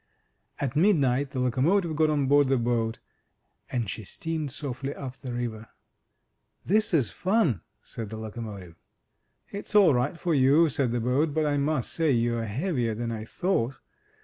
At midnight the locomotive got on board the boat, and she steamed softly up the river. *This is fun!" said the locomotive. It's all right for you,'' said the boat; "but I must say you're heavier than I thought.